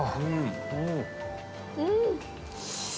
うん！